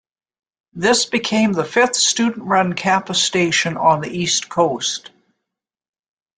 This became the fifth student-run campus station on the east coast.